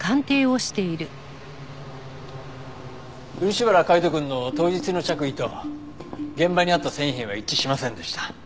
漆原海斗くんの当日の着衣と現場にあった繊維片は一致しませんでした。